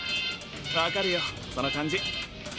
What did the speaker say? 分かるよその感じ。